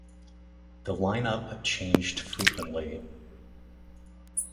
The line-up changed frequently.